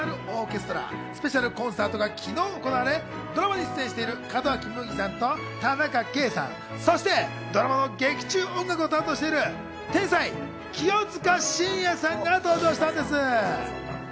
こちら現在放送中の水曜ドラマ『リバーサルオーケストラ』スペシャルコンサートが昨日行われ、ドラマに出演してる門脇麦さんと、田中圭さん、そしてドラマの劇中音楽を担当している天才・清塚信也さんが登場したんです。